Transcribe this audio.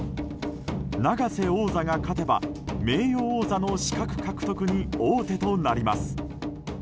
永瀬王座が勝てば名誉王座の資格獲得に王手となります。